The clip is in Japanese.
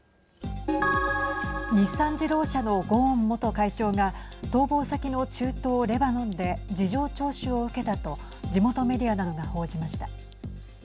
日産自動車のゴーン元会長が逃亡先の中東レバノンで事情聴取を受けたと地元メディアなどが報じました。